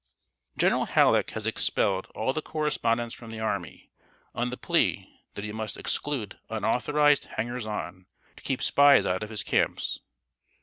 ] General Halleck has expelled all the correspondents from the army, on the plea that he must exclude "unauthorized hangers on," to keep spies out of his camps.